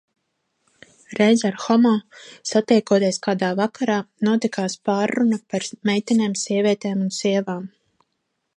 Reiz ar Homo, satiekoties kādā vakarā, notikās pārruna par meitenēm, sievietēm un sievām.